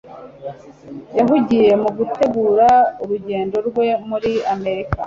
yahugiye mu gutegura urugendo rwe muri amerika